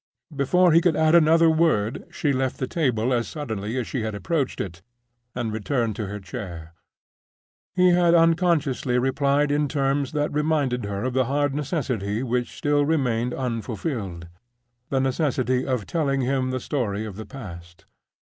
Before he could add another word she left the table as suddenly as she had approached it, and returned to her chair. He had unconsciously replied in terms that reminded her of the hard necessity which still remained unfulfilled—the necessity of telling him the story of the past.